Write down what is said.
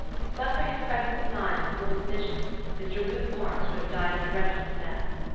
But for his presence of mind and cool decision, Mr. Luke Marks would have died a dreadful death.